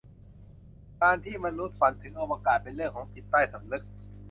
การที่มนุษย์ฝันถึงอวกาศ เป็นเรื่องของจิตใต้สำนึก